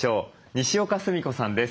にしおかすみこさんです。